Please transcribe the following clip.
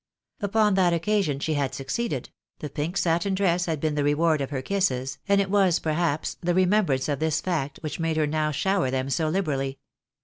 Upon that occasion she had succeeded — the pink satin dress had been the reward of her kisses, and it was, perhaps, the remembrance of tins fact which made her now shower them so hberally.